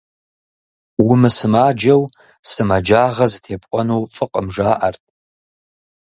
Умысымаджэу сымаджагъэ зытепӏуэну фӏыкъым, жаӏэрт.